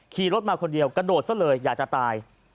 ขี่รถมาคนเดียวกระโดดซะเลยอยากจะตาย